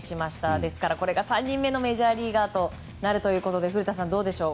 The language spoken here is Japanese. ですから、これが３人目のメジャーリーガーとなるということで古田さん、どうでしょう。